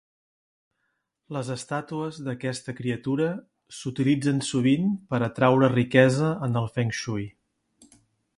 Les estàtues d'aquesta criatura s'utilitzen sovint per atraure riquesa en el Feng Shui.